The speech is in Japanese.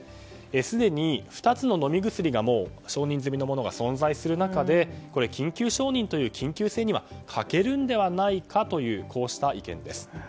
すでに２つの飲み薬で承認済みのものが存在する中で緊急承認という緊急性には欠けるのではないかという意見です。